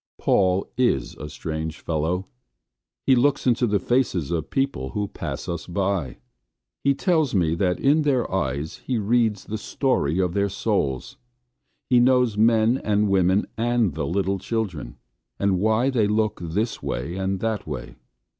Paul is a strange fellow. He looks into the faces of people who pass us by. He tells me that in their eyes he reads the story of their souls. He knows men and women and the little children, and why they look this way and that way.